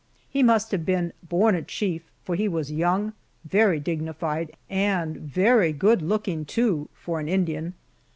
He must have been born a chief for he was young, very dignified, and very good looking, too, for an Indian.